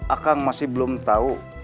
akang masih belum tau